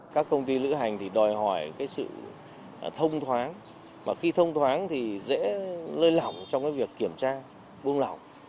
các công ty lữ hành đòi hỏi sự thông thoáng mà khi thông thoáng thì dễ lơi lỏng trong việc kiểm tra buông lỏng